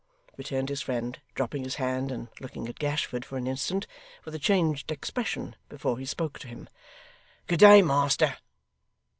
returned his friend, dropping his hand, and looking at Gashford for an instant with a changed expression before he spoke to him. 'Good day, master!